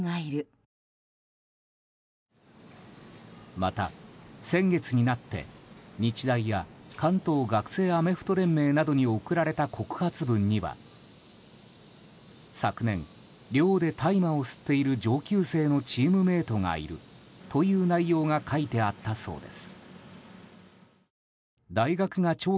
また、先月になって日大や関東学生アメフト連盟などに送られた告発文には昨年、寮で大麻を吸っている上級生のチームメートがいるという内容が書いてあったそうです。